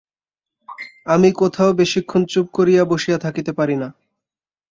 আমি কোথাও বেশিক্ষণ চুপ করিয়া বসিয়া থাকিতে পারি না।